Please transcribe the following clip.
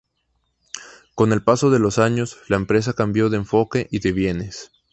Con el paso de los años, la empresa cambió de enfoque y de bienes.